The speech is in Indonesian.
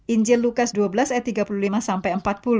injil lukas dua belas e tiga puluh lima sampai empat puluh